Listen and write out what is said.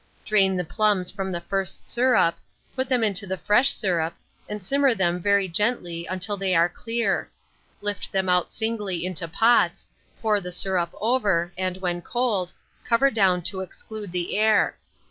Drain the plums from the first syrup; put them into the fresh syrup, and simmer them very gently until they are clear; lift them out singly into pots, pour the syrup over, and when cold, cover down to exclude the air.